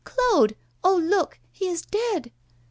Claude! Oh, look! He is dead.